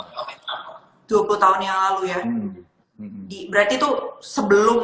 berarti tuh sebelum